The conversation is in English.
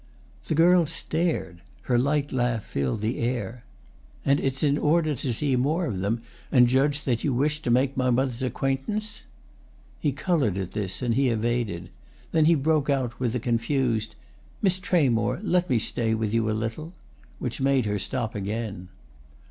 The girl stared; her light laugh filled the air. "And it's in order to see more of them and judge that you wish to make my mother's acquaintance?" He coloured at this and he evaded; then he broke out with a confused "Miss Tramore, let me stay with you a little!" which made her stop again.